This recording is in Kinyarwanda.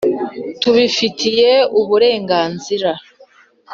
tubifitiye uburenganzira